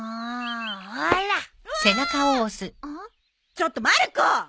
ちょっとまる子！